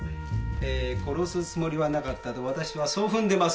殺すつもりはなかったとわたしはそう踏んでます。